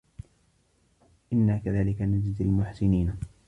إِنّا كَذلِكَ نَجزِي المُحسِنينَ